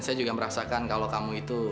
saya juga merasakan kalau kamu itu